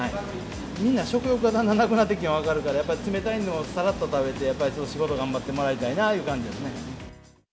みんな食欲がだんだんなくなってきてるのが分かるから、やっぱり冷たいのをさらっと食べて、やっぱり仕事頑張ってもらいたいないう感じですね。